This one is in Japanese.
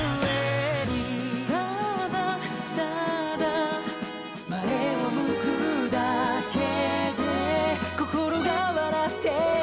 「ただ、ただ」「前を向くだけで心が笑ってる」